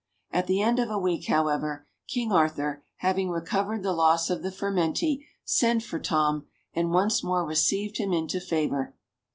At the end of a week, however, King Arthur, having recovered the loss of the furmenty, sent for Tom and once more received him into favour.